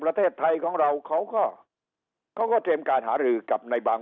ประเทศไทยของเราเขาก็เขาก็เตรียมการหารือกับในบาง